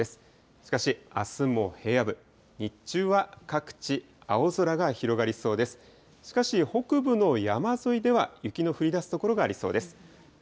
しかし、あすも平野部、日中は各地、青空が広がりそうです。